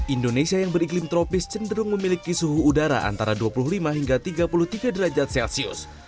indonesia yang beriklim tropis cenderung memiliki suhu udara antara dua puluh lima hingga tiga puluh tiga derajat celcius